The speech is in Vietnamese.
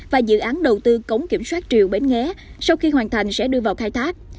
và dự án đầu tư cống kiểm soát triều bến nghé sau khi hoàn thành sẽ đưa vào khai thác